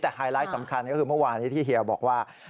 แต่ไฮไลท์สำคัญก็คือเมื่อวานนี้ที่เฮียบอกว่า